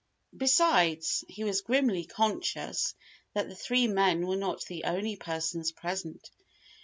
Besides, he was grimly conscious that the three men were not the only persons present.